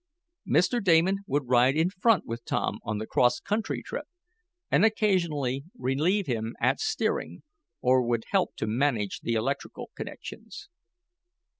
Mr. Damon would ride in front with Tom on the cross country trip, and occasionally relieve him at steering, or would help to manage the electrical connections.